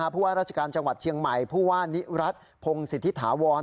ผู้ว่าราชการจังหวัดเชียงใหม่ผู้ว่านิรัติพงศิษฐิถาวร